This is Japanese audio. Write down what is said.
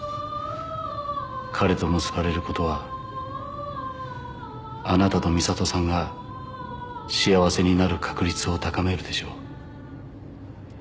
「彼と結ばれることはあなたと美里さんが幸せになる確率を高めるでしょう」